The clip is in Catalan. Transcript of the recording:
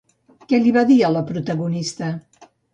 Què li va dir a la protagonista?